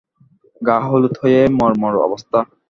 গা হলুদ হয়ে মরমর অবস্থা।